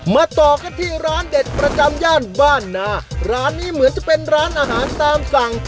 ต่อกันที่ร้านเด็ดประจำย่านบ้านนาร้านนี้เหมือนจะเป็นร้านอาหารตามสั่ง